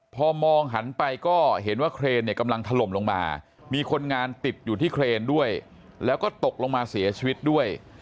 พอมองหันไปก็เห็นว่าเครนเนี่ยกำลังถล่มลงมามีคนงานติดอยู่ที่เครนด้วยแล้วก็ตกลงมาเสียชีวิตด้วย